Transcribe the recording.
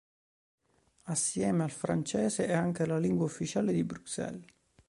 Assieme al francese è anche la lingua ufficiale di Bruxelles.